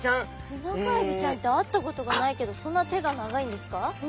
テナガエビちゃんって会ったことがないけどそうなんです。